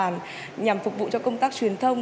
nhằm phục vụ cho công tác truyền thông